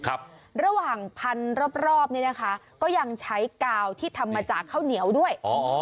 ระหว่างพันรอบรอบนี่นะคะก็ยังใช้กาวที่ทำมาจากข้าวเหนียวด้วยอ๋อ